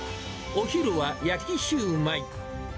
お昼は焼きシューマイ。